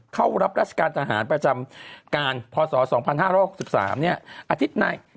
เข้ารับราชการทหารประจำการพศ๒๕๖๓อาทิตย์ใน